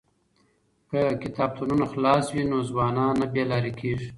که کتابتونونه خلاص وي نو ځوانان نه بې لارې کیږي.